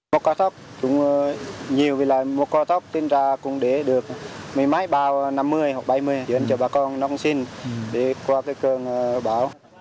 một kho thóc cũng nhiều vì là một kho thóc tính ra cũng để được mấy máy bào năm mươi hoặc bảy mươi dẫn cho bà con nông sinh để qua với cơn bão